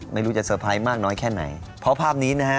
ไม่รู้จะเตอร์ไพรส์มากน้อยแค่ไหนเพราะภาพนี้นะฮะ